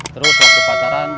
terus waktu pacaran